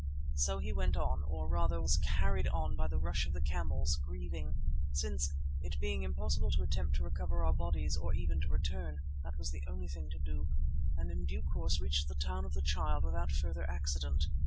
So he went on, or rather was carried on by the rush of the camels, grieving, since, it being impossible to attempt to recover our bodies or even to return, that was the only thing to do, and in due course reached the Town of the Child without further accident.